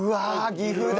岐阜だ。